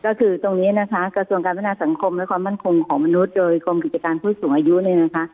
ก็คือตรงนี้นะคะกระทรวงการพัฒนาสังคมและความมั่นคงของมนุษย์โดยกรมกิจการผู้สูงอายุเนี่ยนะคะ